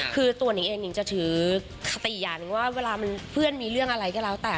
คือตัวหนิงเองนิงจะถือคติอย่างหนึ่งว่าเวลามันเพื่อนมีเรื่องอะไรก็แล้วแต่